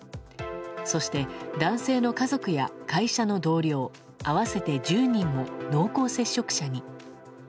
そして、男性の家族や会社の同僚合わせて１０人も濃厚接触に。